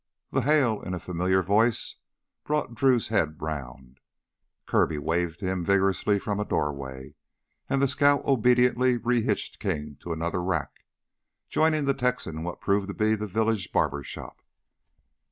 That hail in a familiar voice brought Drew's head around. Kirby waved to him vigorously from a doorway, and the scout obediently rehitched King to another rack, joining the Texan in what proved to be the village barber shop.